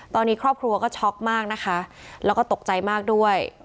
ตอนนี้ครอบครัวก็ช็อกมากนะคะแล้วก็ตกใจมากด้วย